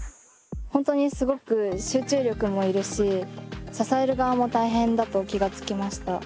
本当にすごく集中力もいるし支える側も大変だと気が付きました。